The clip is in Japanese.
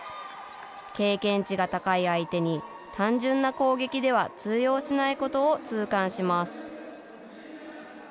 経験値が高い相手に単純な攻撃では通用しないことを痛感します。